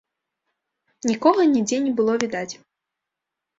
Нікога нідзе не было відаць.